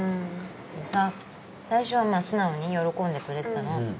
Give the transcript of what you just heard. でさ最初はまぁ素直に喜んでくれてたの。